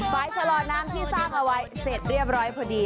ชะลอน้ำที่สร้างเอาไว้เสร็จเรียบร้อยพอดี